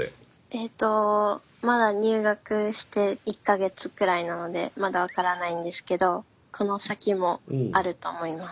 えとまだ入学して１か月ぐらいなのでまだ分からないんですけどこの先もあると思います。